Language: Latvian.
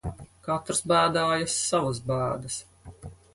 Katrs bēdājas savas bēdas.